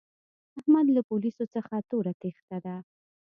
احمد له پوليسو څخه توره تېښته ده.